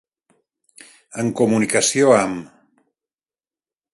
En comunicació amb.